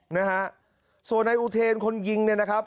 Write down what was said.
นะฮะส่วนนายอุเทนคนยิงเนี่ยนะครับ